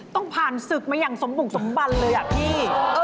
ต้องผ่านศึกมาอย่างสมบุกสมบันเลยอะพี่